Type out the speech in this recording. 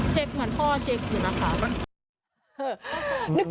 ใช่ค่ะ